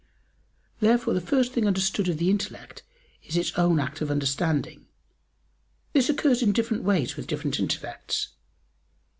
Therefore the first thing understood of the intellect is its own act of understanding. This occurs in different ways with different intellects.